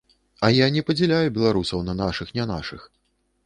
А я не падзяляю беларусаў на нашых-нянашых.